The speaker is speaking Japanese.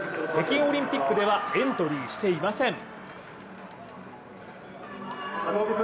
北京オリンピックではエントリーしていません。